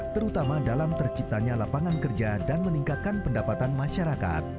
terutama dalam terciptanya lapangan kerja dan meningkatkan pendapatan masyarakat